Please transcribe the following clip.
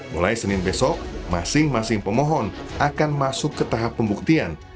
mulai senin besok masing masing pemohon akan masuk ke tahap pembuktian